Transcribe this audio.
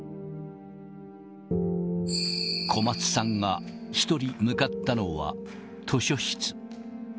小松さんが１人、向かったのは図書室。